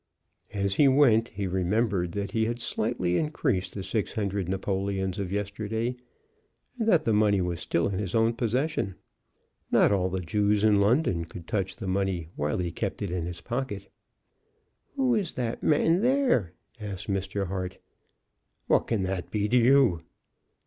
As he went he remembered that he had slightly increased the six hundred napoleons of yesterday, and that the money was still in his own possession. Not all the Jews in London could touch the money while he kept it in his pocket. "Who ish dat man there?" asked Mr. Hart. "What can that be to you?"